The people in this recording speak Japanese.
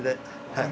はい。